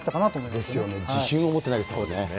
ですよね、自信を持って投げてましたよね。